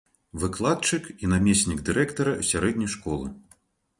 Выкладчык і намеснік дырэктара сярэдняй школы.